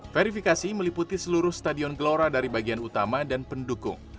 verifikasi meliputi seluruh stadion gelora dari bagian utama dan pendukung